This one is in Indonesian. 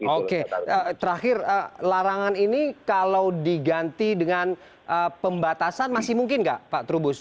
oke terakhir larangan ini kalau diganti dengan pembatasan masih mungkin nggak pak trubus